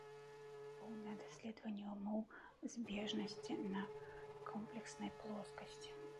Поўнае даследаванне ўмоў збежнасці на камплекснай плоскасці.